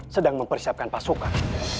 sedang mempersiapkan pasukan